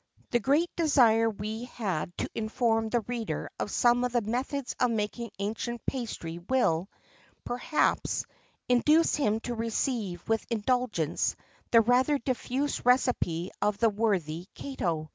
[XXIV 24] The great desire we had to inform the reader of some of the methods of making ancient pastry will, perhaps, induce him to receive with indulgence the rather diffuse recipe of the worthy Cato.